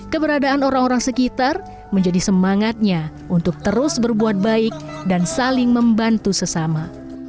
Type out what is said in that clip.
keberadaan orang orang sekitar menjadi semangatnya untuk terus berbuat baik dan saling membantu sesama